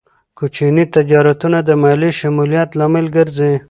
کوچني تجارتونه د مالي شمولیت لامل ګرځي.